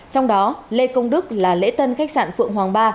trong đó lê công đức là lễ tân khách sạn phượng hoàng ba